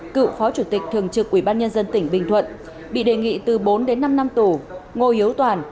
cựu phó chủ tịch thường trực ubnd tỉnh bình thuận bị đề nghị từ bốn đến năm năm tù ngô hiếu toàn